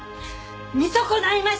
見損ないました！